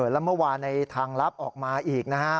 แล้วเมื่อวานในทางลับออกมาอีกนะฮะ